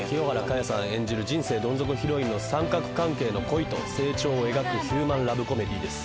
人生どん底ヒロインの三角関係の恋と成長を描くヒューマンラブコメディーです。